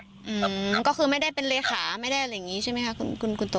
อืมก็คือไม่ได้เป็นเลขาไม่ได้อะไรอย่างงี้ใช่ไหมคะคุณคุณโต